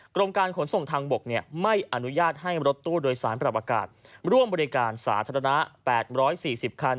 กรมการขนส่งทางบกไม่อนุญาตให้รถตู้โดยสารปรับอากาศร่วมบริการสาธารณะ๘๔๐คัน